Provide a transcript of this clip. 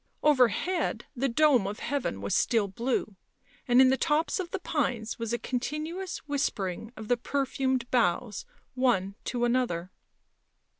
Overhead the dome of heaven was still blue, and in the tops of the pines was a continuous whispering of the perfumed boughs one to another.